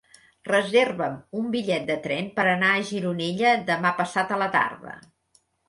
Reserva'm un bitllet de tren per anar a Gironella demà passat a la tarda.